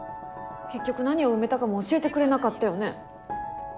結局何を埋めたかも教えてくれなかったよね。